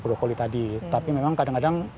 brokoli tadi tapi memang kadang kadang